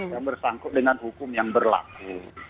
yang bersangkutan dengan hukum yang berlaku